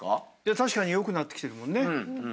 確かに良くなってきてるもんね。